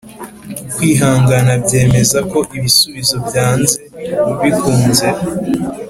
kwihangana byemeza ko ibisubizo byanze bikunze.